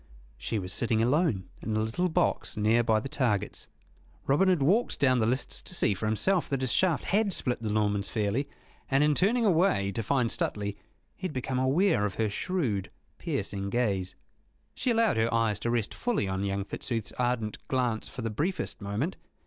She was sitting alone in a little box near by the targets. Robin had walked down the lists to see for himself that his shaft had split the Norman's fairly, and in turning away to find Stuteley he had become aware of her shrewd, piercing gaze. She allowed her eyes to rest fully on young Fitzooth's ardent glance for the briefest moment.